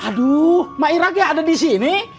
aduh mak iragya ada di sini